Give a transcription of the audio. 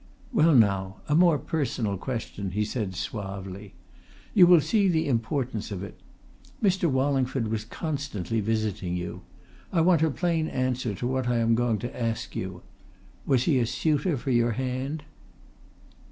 "Well, now, a more personal question," he said suavely. "You will see the importance of it. Mr. Wallingford was constantly visiting you. I want a plain answer to what I am going to ask you. Was he a suitor for your hand?"